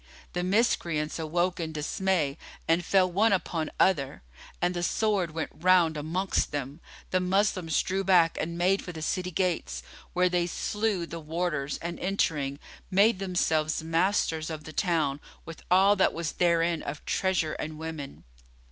The Miscreants awoke in dismay and fell one upon other, and the sword went round amongst them; the Moslems drew back and made for the city gates, where they slew the warders and entering, made themselves masters of the town with all that was therein of treasure and women.